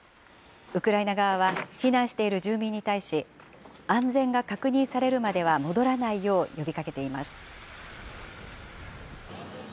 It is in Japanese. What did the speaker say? ウクライナ側は避難している住民に対し、安全が確認されるまでは戻らないよう呼びかけています。